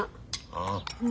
ああ。